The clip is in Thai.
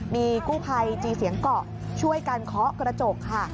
มีกู้ภัยจีเสียงเกาะช่วยกันเคาะกระจกค่ะ